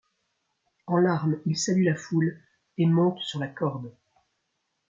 En larmes, il salue la foule et monte sur la corde.